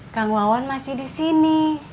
kang wawan masih disini